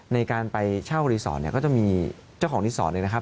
ในการไปเช่ารีสอร์ทเนี่ยก็จะมีเจ้าของรีสอร์ทเลยนะครับ